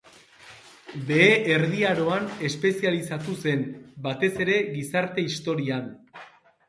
Behe Erdi Aroan espezializatu zen, batez ere gizarte-historian.